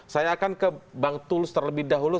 saya akan ke bang tulus terlebih dahulu